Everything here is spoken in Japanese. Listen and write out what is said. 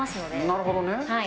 なるほどね。